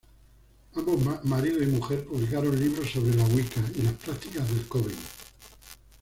Ambos, marido y mujer publicaron libros sobre la Wicca y las prácticas del coven.